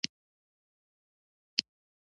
د حق خبره د ایمان نښه ده.